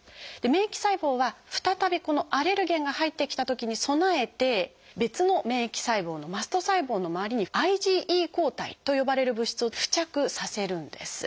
免疫細胞は再びこのアレルゲンが入ってきたときに備えて別の免疫細胞の「マスト細胞」の周りに「ＩｇＥ抗体」と呼ばれる物質を付着させるんです。